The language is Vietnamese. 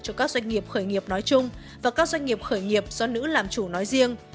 cho các doanh nghiệp khởi nghiệp nói chung và các doanh nghiệp khởi nghiệp do nữ làm chủ nói riêng